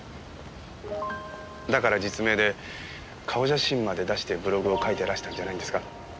だから実名で顔写真まで出してブログを書いてらしたんじゃないんですか？